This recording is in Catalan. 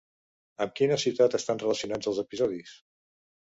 Amb quina ciutat estan relacionats els episodis?